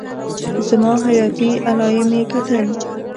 زما حياتي علايم يې کتل.